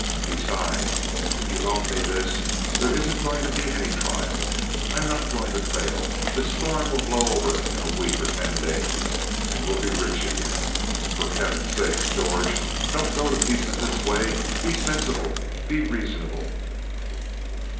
Besides, if you loan me this, there isn't going to be any trial. I'm not going to fail. This storm will blow over in a week or ten days, and we'll be rich again. For Heaven's sake, George, don't go to pieces this way! Be sensible! Be reasonable!"